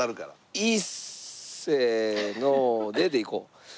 「いっせーので」でいこう。